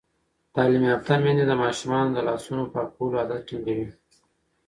تعلیم یافته میندې د ماشومانو د لاسونو پاکولو عادت ټینګوي.